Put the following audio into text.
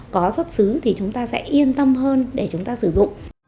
có xuất xứ thì chúng ta sẽ yên tâm hơn để chúng ta sử dụng